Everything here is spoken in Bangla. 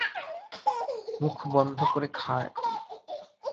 মুখবন্ধ করে খা এখন!